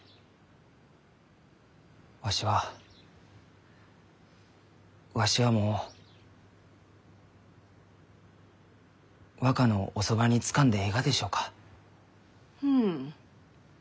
わしはわしはもう若のおそばにつかんでえいがでしょうか？